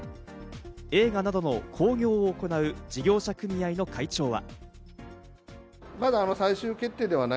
映画などの興行を行う事業者組合の会長は。